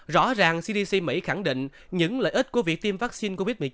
rõ ràng cdc mỹ khẳng định những lợi ích của việc tiêm vaccine covid một mươi chín